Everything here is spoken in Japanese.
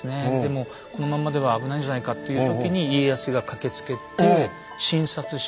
もうこのままでは危ないんじゃないかっていう時に家康が駆けつけて診察したうえで。